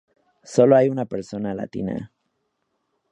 Sólo hay una persona latina.